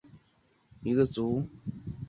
娆灰蝶族是灰蝶科线灰蝶亚科里的一个族。